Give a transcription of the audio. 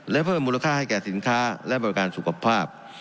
และเพิ่มมูลค่าให้แก่สินค้าและบริการสุขภาพ